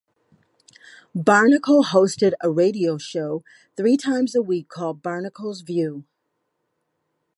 Barnicle hosted a radio show three times a week called "Barnicle's View".